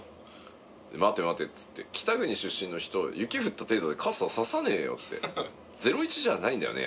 「待て待て」っつって北国出身の人雪降った程度で傘差さねえよって０１じゃないんだよね